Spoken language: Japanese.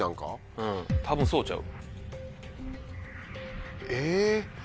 うん多分そうちゃう。